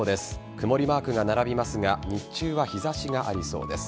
曇りマークが並びますが日中は日差しがありそうです。